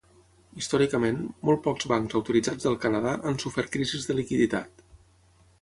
Històricament, molt pocs bancs autoritzats del Canadà han sofert crisis de liquiditat.